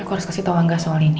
aku harus kasih tahu angga soal ini